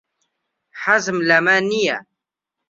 حەزم لەمە نییە.